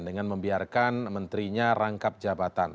dengan membiarkan menterinya rangkap jabatan